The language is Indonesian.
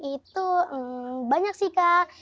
itu banyak sih kak